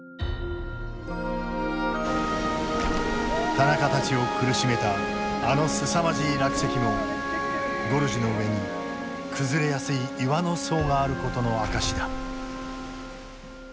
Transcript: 田中たちを苦しめたあのすさまじい落石もゴルジュの上に崩れやすい岩の層があることの証しだ。